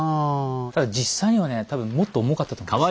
ただ実際にはね多分もっと重かったと思います。